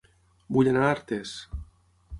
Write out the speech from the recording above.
Vull anar a Artés